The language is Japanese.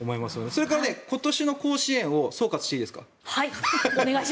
それから、今年の甲子園を総括していいですか。